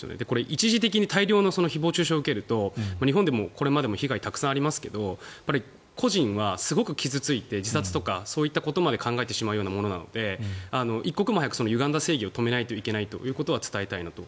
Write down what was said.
一時的に大量の誹謗・中傷を受けると日本でもこれまで被害がたくさんありますけど個人はすごく傷付いて自殺とかそういったことまで考えてしまうようなものなので一刻も早くゆがんだ正義を止めないといけないと伝えたいなと。